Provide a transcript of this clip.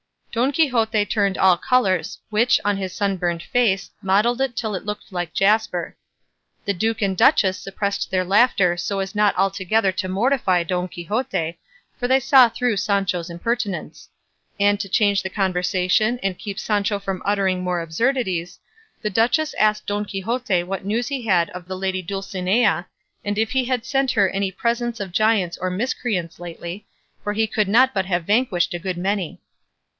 Don Quixote turned all colours, which, on his sunburnt face, mottled it till it looked like jasper. The duke and duchess suppressed their laughter so as not altogether to mortify Don Quixote, for they saw through Sancho's impertinence; and to change the conversation, and keep Sancho from uttering more absurdities, the duchess asked Don Quixote what news he had of the lady Dulcinea, and if he had sent her any presents of giants or miscreants lately, for he could not but have vanquished a good many.